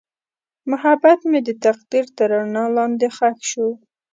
محبت مې د تقدیر تر رڼا لاندې ښخ شو.